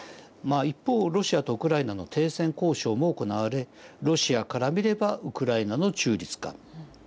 一方ロシアとウクライナの停戦交渉も行われロシアから見ればウクライナの中立化